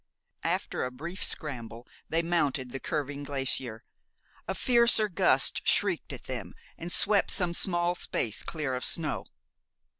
After a brief scramble they mounted the curving glacier. A fiercer gust shrieked at them and swept some small space clear of snow.